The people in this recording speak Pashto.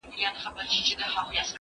زه اوس د سبا لپاره د يادښتونه بشپړوم؟!